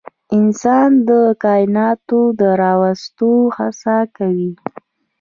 انسان د کایناتو د راوستو هڅه کوي.